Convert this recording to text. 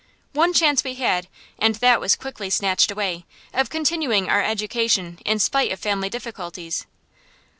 One chance we had, and that was quickly snatched away, of continuing our education in spite of family difficulties.